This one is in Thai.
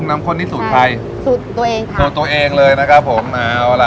น้ำข้นนี่สูตรใครสูตรตัวเองค่ะสูตรตัวเองเลยนะครับผมเอาล่ะ